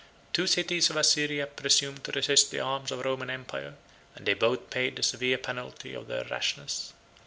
Two cities of Assyria presumed to resist the arms of a Roman emperor: and they both paid the severe penalty of their rashness.